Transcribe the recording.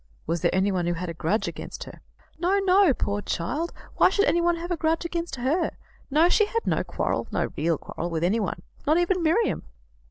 Was there anyone who had a grudge against her?" "No, no, poor child! Why should anyone have a grudge against her? No, she had no quarrel no real quarrel with anyone; not even with Miriam."